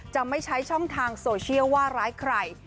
จะไม่ใช้ช่องทางโซเชียลว่าร้ายใคร